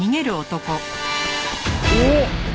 おっ！